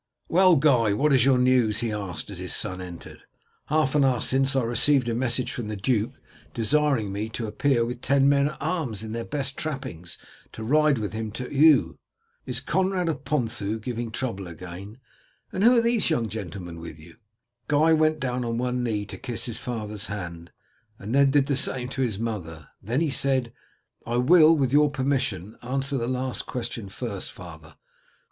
"Well, Guy, what is your news?" he asked as his son entered. "Half an hour since I received a message from the duke desiring me to appear with ten men at arms in their best trappings to ride with him to Eu. Is Conrad of Ponthieu giving trouble again, and who are these young gentlemen with you?" Guy went down on one knee to kiss his father's hand, and then did the same to his mother, then he said, "I will with your permission answer the last question first, father.